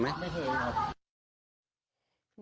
ไม่เคยครับ